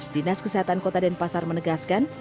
dinas kesehatan kota denpasar menegaskan